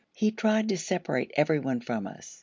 He tried to separate everyone from us.